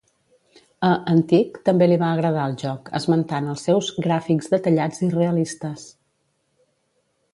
A "Antic" també li va agradar el joc, esmentant els seus "gràfics detallats i realistes".